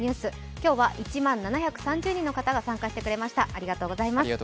今日は１万７３０人の方が参加してくれました、ありがとうございます。